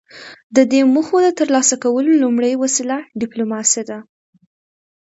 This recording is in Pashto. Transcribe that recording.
د دې موخو د ترلاسه کولو لومړۍ وسیله ډیپلوماسي ده